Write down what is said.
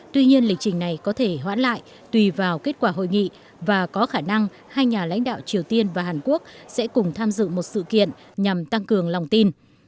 tuy nhiên lịch trình này có thể hoãn lại tùy vào kết quả hội nghị và có khả năng hai nhà lãnh đạo triều tiên và hàn quốc sẽ cùng tham dự một sự kiện nhằm tăng cường lòng tin